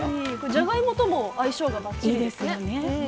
じゃがいもとも相性がばっちりですね。